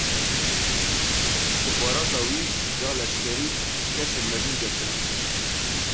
Îstîxbarata wî ya leşkerî kesên mezin girtine.